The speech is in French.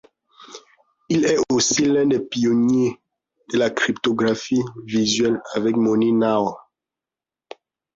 Il est aussi l'un des pionniers de la cryptographie visuelle avec Moni Naor.